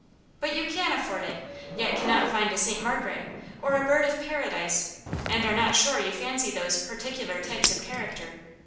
But you can afford it, yet cannot find a Saint Margaret, or 3 Bird • of Paradise, and are not sure you fancy those particular types of character?